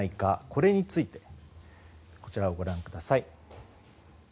これについてこちらをご覧ください。